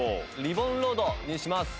リボンロードにします。